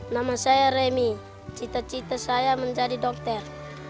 nama saya remi cita cita saya menjadi dokter